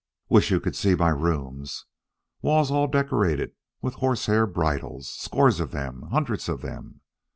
"Wish you could see my rooms. Walls all decorated with horsehair bridles scores of them hundreds of them.